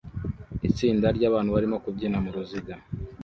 Itsinda ryabantu barimo kubyina muruziga